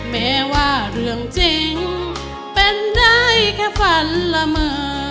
แม้ว่าเรื่องจริงเป็นได้แค่ฝันละเมอ